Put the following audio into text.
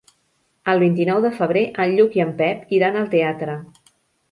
El vint-i-nou de febrer en Lluc i en Pep iran al teatre.